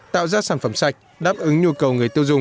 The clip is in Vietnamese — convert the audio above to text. tạo ra sản phẩm sạch đáp ứng nhu cầu người tiêu dùng